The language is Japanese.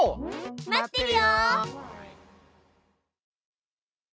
待ってるよ！